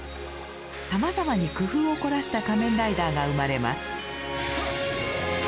さまざまに工夫を凝らした仮面ライダーが生まれます。